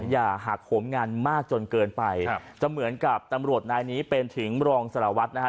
อย่าหักโหมงานมากจนเกินไปครับจะเหมือนกับตำรวจนายนี้เป็นถึงรองสารวัตรนะฮะ